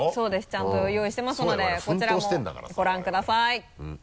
ちゃんと用意してますのでこちらもご覧ください。